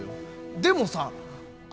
でもさあ